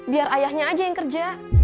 biar ayahnya aja yang kerja